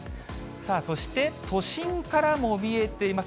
さあ、そして、都心からも見えています。